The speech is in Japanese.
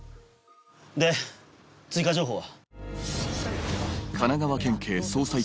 で追加情報は？